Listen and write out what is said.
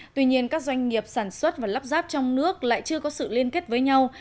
tuy nhiên các doanh nghiệp sản xuất và lắp ráp trong nước lại chưa có sự liên kết với nhau